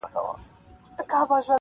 • کوډي جادو او منترونه لیکي -